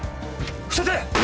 伏せて！